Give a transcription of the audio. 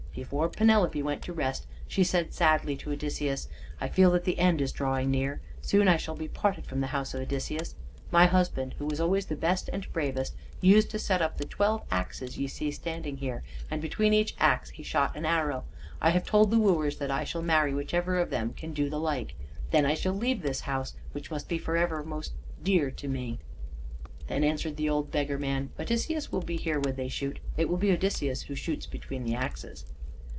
Before Penelope went to rest she said sadly to Odysseus: "I feel that the end is drawing near. Soon I shall be parted from the house of Odysseus. My husband, who was always the best and bravest, used to set up the twelve axes ye see standing here, and between each axe he shot an arrow. I have told the wooers that I shall marry whichever one of them can do the like. Then I shall leave this house, which must be for ever most dear to me." Then answered the old beggar man: "Odysseus will be here when they shoot. It will be Odysseus who shoots between the axes."